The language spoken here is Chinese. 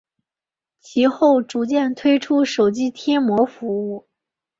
其后逐渐推出手机贴膜服务。